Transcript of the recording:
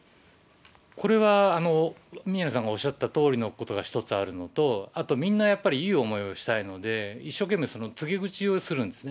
これは宮根さんがおっしゃったとおりのことが一つあるのと、あとみんなやっぱりいい思いをしたいので、一生懸命、告げ口をするんですね。